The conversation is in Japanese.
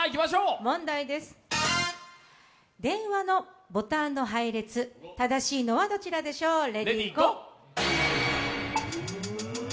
問題です、電話のボタンの配列、正しいのはどちらでしょう。